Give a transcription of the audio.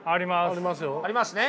ありますね？